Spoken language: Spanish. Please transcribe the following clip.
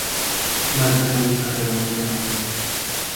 Martha Luz Arredondo Ramírez.